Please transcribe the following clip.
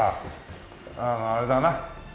あのあれだな。